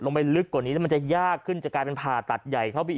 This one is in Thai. ไปลึกกว่านี้แล้วมันจะยากขึ้นจะกลายเป็นผ่าตัดใหญ่เข้าไปอีก